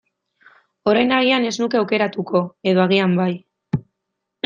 Orain agian ez nuke aukeratuko, edo agian bai.